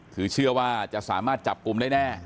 คือเชื่อว่าจะสามารถจับกลุ่มได้แน่